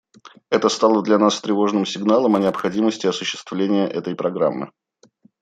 Это стало для нас тревожным сигналом о необходимости осуществления этой программы.